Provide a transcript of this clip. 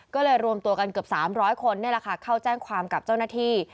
ก็เลยรวมตัวกันเกือบ๓๐๐คนเข้าแจ้งความกับเจ้าหน้าที่